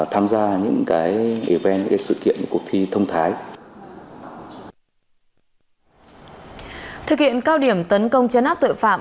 thực hiện cao điểm tấn công chấn áp tội phạm